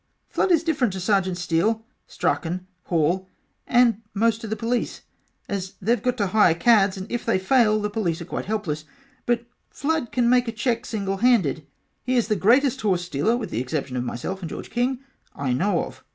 Flood is different to Sergeant Steel, Strachan, Hall and the most of Police a they have got to hire cads and if they fail the Police are quite helpless. But Flood can make a cheque single handed he is the greatest horsestealer with the exception of myself and George King I know of.